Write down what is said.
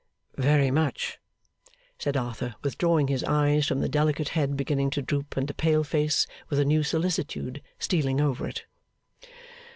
'Very much,' said Arthur, withdrawing his eyes from the delicate head beginning to droop and the pale face with a new solicitude stealing over it.